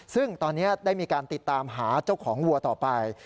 ซึ่งตอนนี้ได้มีการติดตามหาเจ้าของวัวต่อไป